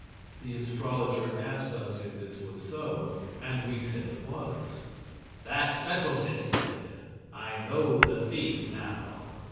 The astrologer asked us if this was so, and we said it was. "That settles it," he said. "I know the thief now.